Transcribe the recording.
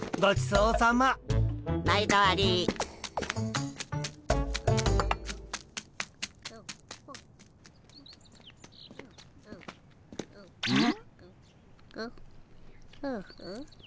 うん。